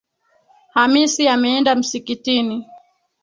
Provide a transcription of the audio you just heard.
Hamisi ameenda msikitini